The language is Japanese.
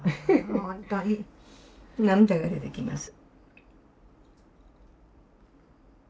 本当に涙が出てきます。